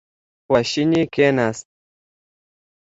خواشینی کېناست.